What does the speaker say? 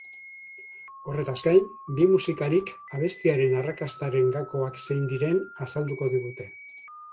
Horretaz gain, bi musikarik abestiaren arrakastaren gakoak zein diren azalduko digute.